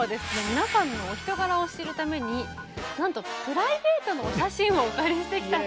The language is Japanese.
皆さんのお人柄を知るためになんとプライベートのお写真をお借りしてきたそうです。